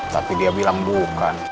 tapi dia bilang bukan